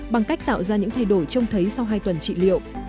bằng cách tạo ra những thay đổi trông thấy sau hai tuần trị liệu